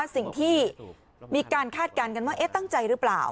สิ่งที่มีการคาดการณ์กันว่าตั้งใจหรือเปล่า